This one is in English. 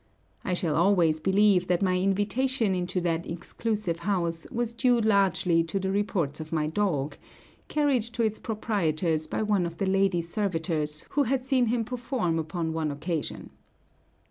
I shall always believe that my invitation into that exclusive house was due largely to the reports of my dog, carried to its proprietors by one of the lady servitors who had seen him perform upon one occasion.